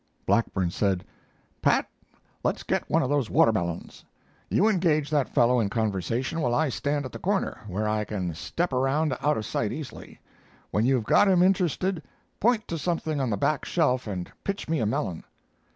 Blackburn said: "Pat, let's get one of those watermelons. You engage that fellow in conversation while I stand at the corner, where I can step around out of sight easily. When you have got him interested, point to something on the back shelf and pitch me a melon."